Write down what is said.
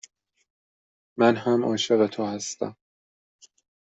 من هم عاشق تو هستم.